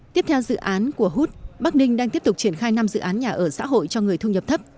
tiếp theo dự án của hood bắc ninh đang tiếp tục triển khai năm dự án nhà ở xã hội cho người thu nhập thấp